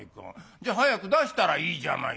じゃ早く出したらいいじゃないの」。